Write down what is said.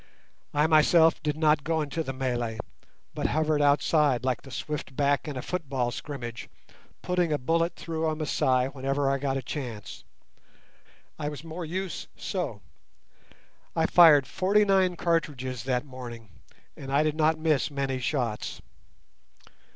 I myself did not go into the mêlée, but hovered outside like the swift "back" in a football scrimmage, putting a bullet through a Masai whenever I got a chance. I was more use so. I fired forty nine cartridges that morning, and I did not miss many shots.